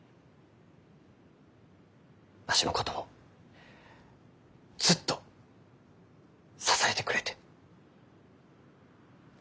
わしのこともずっと支えてくれて。